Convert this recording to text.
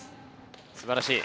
すばらしい！